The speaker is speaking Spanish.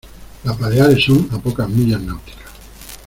Las Baleares son a pocas millas náuticas.